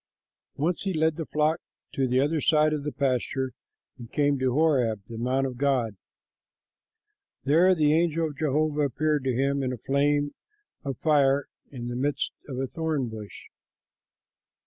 Once he led the flock to the other side of the pasture and came to Horeb, the mountain of God. There the angel of Jehovah appeared to him in a flame of fire from the midst of a thorn bush.